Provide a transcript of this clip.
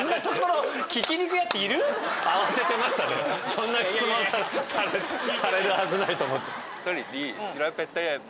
そんな質問されるはずないと思って。